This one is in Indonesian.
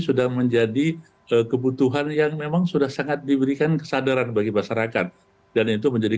sudah menjadi kebutuhan yang memang sudah sangat diberikan kesadaran bagi masyarakat dan itu menjadi